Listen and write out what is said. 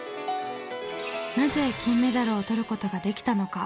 なぜ金メダルを取ることができたのか？